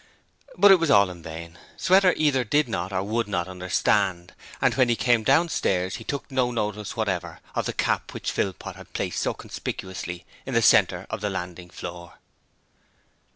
But it was all in vain. Sweater either did not or would not understand, and when he came downstairs he took no notice whatever of the cap which Philpot had placed so conspicuously in the centre of the landing floor.